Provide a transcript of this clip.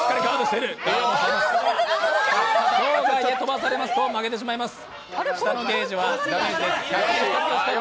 場外へ飛ばされますと負けてしまいます。